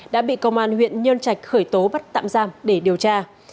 đã bị công an huyện nhân trạch khởi tố bắt tạm giam để điều tra